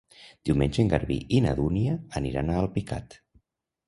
Diumenge en Garbí i na Dúnia aniran a Alpicat.